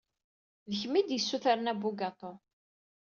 D kemm ay d-yessutren abugaṭu.